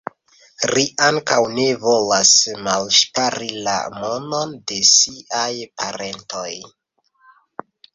Ri ankaŭ ne volas malŝpari la monon de siaj parentoj.